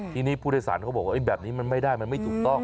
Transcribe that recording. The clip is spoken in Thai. ทีนี้ผู้โดยสารเขาบอกว่าแบบนี้มันไม่ได้มันไม่ถูกต้อง